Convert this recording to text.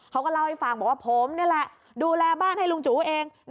เขาก็เล่าให้ฟังบอกว่าผมนี่แหละดูแลบ้านให้ลุงจูเอง